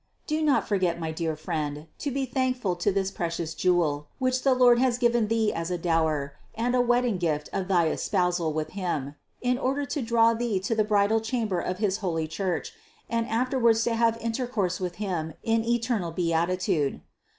504. Do not forget, my dear friend, to be thankful for this precious jewel which the Lord has given thee as a dower and a wedding gift of thy espousal with Him> in order to draw thee to the bridal chamber of his holy Church and afterwards to have intercourse with Him in the eternal beatitude.